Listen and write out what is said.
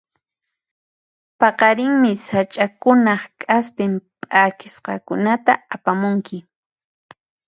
Paqarinmi sach'akunaq k'aspin p'akisqakunata apamunki.